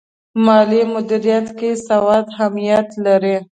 مالي مدیریت کې سواد اهمیت لري.